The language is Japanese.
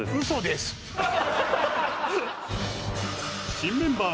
新メンバー